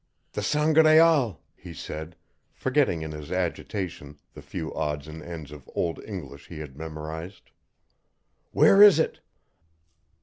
"The Sangraal," he said, forgetting in his agitation the few odds and ends of Old English he had memorized. "Where is it!"